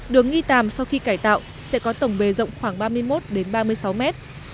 đường nghi tàm sau khi cải tạo sẽ có tổng bề rộng khoảng ba mươi một đến ba mươi sáu mét